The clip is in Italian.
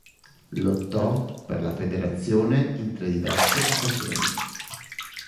Lottò per la federazione in tre diverse occasioni.